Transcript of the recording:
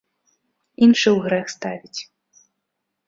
Іншы ў грэх ставіць.